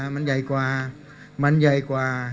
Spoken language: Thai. มันใหญ่กว่ามันใหญ่กว่า